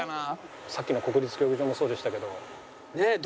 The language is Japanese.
さっきの国立競技場もそうでしたけど。